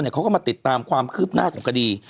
เขาก็มาติดตามความคืบหน้าของคดี